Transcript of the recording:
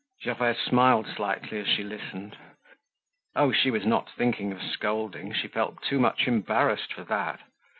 Gervaise smiled slightly as she listened. Oh! she was not thinking of scolding, she felt too much embarrassed for that.